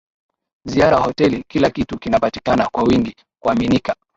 ziara hoteli kila kitu kinapatikana kwa wingi kuaminika